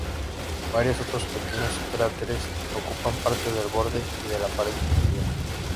Varios otros pequeños cráteres ocupan parte del borde y de la pared interior.